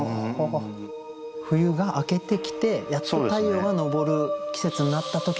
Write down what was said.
冬が明けてきてやっと太陽が昇る季節になった時に見た。